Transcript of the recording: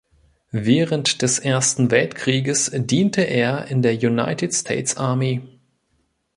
Während des Ersten Weltkrieges diente er in der United States Army.